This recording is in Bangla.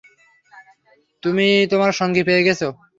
তুমি তোমার সঙ্গী পেয়ে গেছ।